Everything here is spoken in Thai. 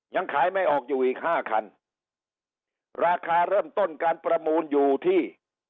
ยังขายไม่ออกอยู่อีกห้าคันราคาเริ่มต้นการประมูลอยู่ที่